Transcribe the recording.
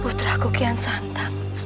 putra kukian santan